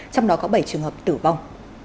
trong đó có bảy trường hợp tử vong